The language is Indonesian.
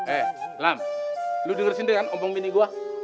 eh lam lu denger sendiri kan omong bini gua